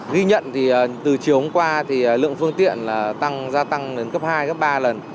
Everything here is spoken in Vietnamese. ghi nhận từ chiều hôm qua lượng phương tiện gia tăng đến cấp hai cấp ba lần